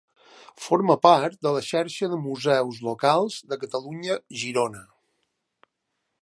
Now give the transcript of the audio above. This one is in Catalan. Forma part de la Xarxa de Museus Locals de Catalunya-Girona.